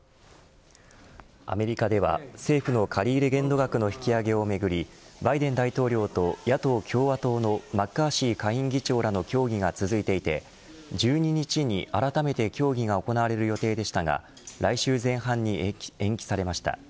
アメリカでは政府の借入限度額の引き上げをめぐりバイデン大統領と、野党共和党のマッカーシー下院議長らの協議が続いていて１２日にあらためて協議が行われる予定でしたが来週前半に延期されました。